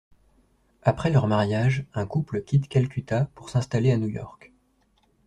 Après leur mariage, un couple quitte Calcutta pour s'installer à New York.